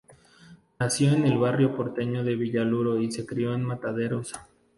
Nació en el barrio porteño de Villa Luro y se crio en Mataderos.